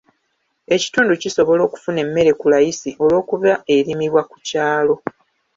Ekitundu kisobola okufuna emmere ku layisi olw'okuba erimibwa ku kyalo.